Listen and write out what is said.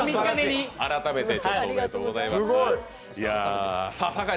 改めておめでとうございます。